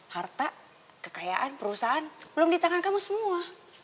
harta kekayaan perusahaan belum di tangan kamu semua